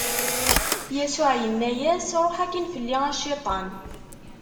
Yasuɛ inna-as: Ṛuḥ akkin fell-i, a Cciṭan!